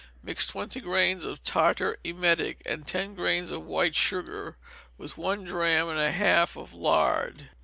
Mix twenty grains of tartar emetic and ten grains of white sugar with one drachm and a half of lard.